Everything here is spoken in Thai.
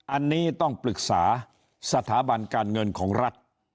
อันนี้ต้องปรึกษาสถาบันการเงินของรัฐ